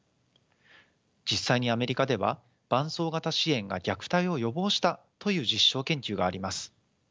実際にアメリカでは伴走型支援が虐待を予防したという実証研究があります。